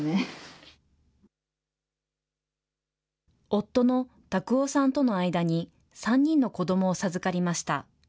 夫の拓大さんとの間に３人の子どもを授かりました。